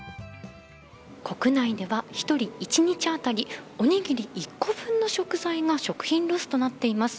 国内では１人一日当たりおにぎり１個分の食材が食品ロスとなっています。